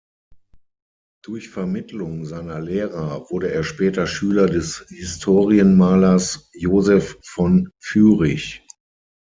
Durch Vermittlung seiner Lehrer wurde er später Schüler des Historienmalers Joseph von Führich.